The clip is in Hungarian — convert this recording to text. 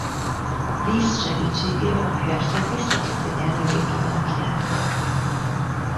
Víz segítségével a Herceg vissza tudja nyerni régi alakját.